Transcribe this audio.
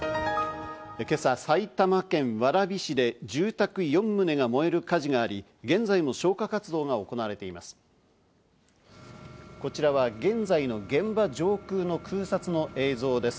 今朝、埼玉県蕨市で住宅４棟が燃える火事があり、現在も消火活動が行われています。